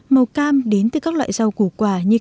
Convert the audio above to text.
màu cam đến từ các loại rau củ quả như cam